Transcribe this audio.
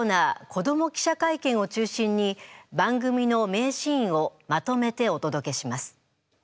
「子ども記者会見」を中心に番組の名シーンをまとめてお届けします。